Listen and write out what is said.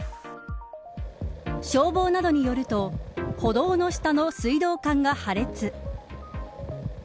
消防などによると歩道の下の水道管が破裂。